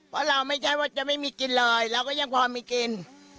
เพราะเราไม่ใช่ว่าจะไม่มีกินเลยเราก็ยังพอมีกิน